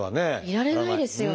いられないですよね。